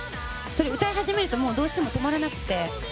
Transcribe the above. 歌い始めるとどうしても止まらなくて。